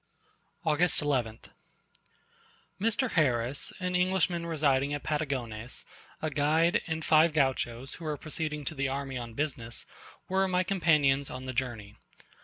August 11th. Mr. Harris, an Englishman residing at Patagones, a guide, and five Gauchos who were proceeding to the army on business, were my companions on the journey.